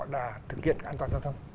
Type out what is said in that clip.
đã thực hiện an toàn giao thông